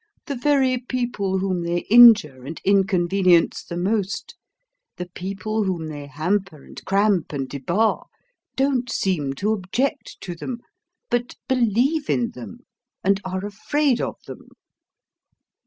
"The very people whom they injure and inconvenience the most, the people whom they hamper and cramp and debar, don't seem to object to them, but believe in them and are afraid of them.